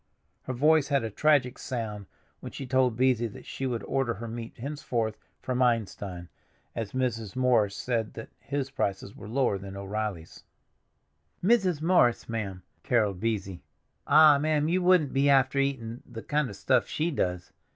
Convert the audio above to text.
Her voice had a tragic sound when she told Beesy that she would order her meat henceforth from Einstein, as Mrs. Morris said that his prices were lower than O'Reilly's. "Mrs. Morris, ma'am!" caroled Beesy. "Ah, ma'am, you wouldn't be after eatin' the kind of stuff she does.